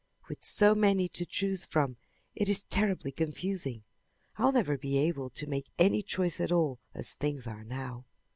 With so many to choose from it is terribly confusing. I'll never be able to make any choice at all as things are now.